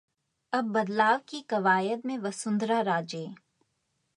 अब बदलाव की कवायद में वसुंधरा राजे